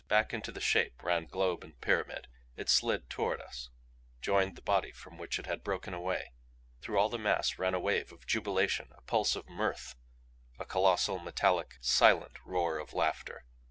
Back into the Shape ran globe and pyramid. It slid toward us joined the body from which it had broken away. Through all the mass ran a wave of jubilation, a pulse of mirth a colossal, metallic SILENT roar of laughter.